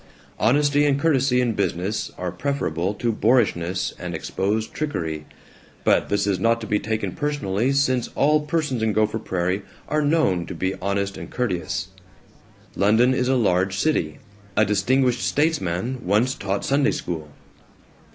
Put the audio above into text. Honesty and courtesy in business are preferable to boorishness and exposed trickery, but this is not to be taken personally, since all persons in Gopher Prairie are known to be honest and courteous. London is a large city. A distinguished statesman once taught Sunday School.